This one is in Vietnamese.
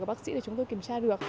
của bác sĩ để chúng tôi kiểm tra được